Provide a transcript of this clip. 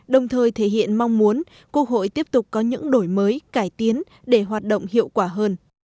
đồng thời thể hiện mong muốn quốc hội tiếp tục có những đổi mới cải tiến để hoạt động hiệu quả hơn